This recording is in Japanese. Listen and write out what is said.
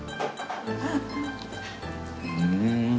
うん。